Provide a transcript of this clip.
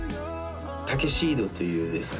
「タキシード」というですね